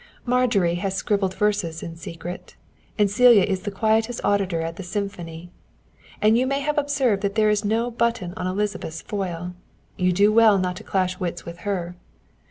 Marjorie has scribbled verses in secret, and Celia is the quietest auditor at the symphony. And you may have observed that there is no button on Elizabeth's foil; you do well not to clash wits with her.